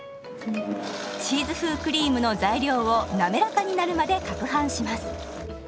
チーズ風クリームの材料をなめらかになるまでかくはんします。